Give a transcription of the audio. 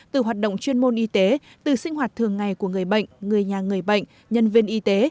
từ hoạt động chuyên môn y tế từ sinh hoạt thường ngày của người bệnh người nhà người bệnh nhân viên y tế